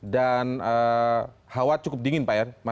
dan hawa cukup dingin pak